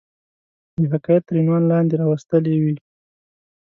د حکایت تر عنوان لاندي را وستلې وي.